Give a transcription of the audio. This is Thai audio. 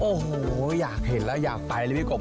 โอ้โหอยากเห็นแล้วอยากไปเลยพี่กบ